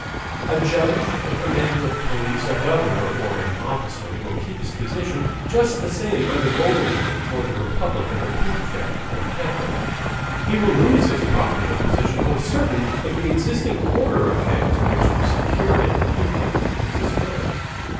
A judge, a commander of police, a governor, or an officer will keep his position just the same under Boulanger or the republic, under Pougachef or Catherine. He will lose his profitable position for certain, if the existing order of things which secured it to him is destroyed.